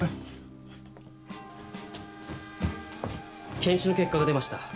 検視の結果が出ました。